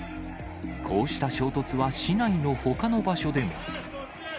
こうした衝突は、市内のほかの場所でも。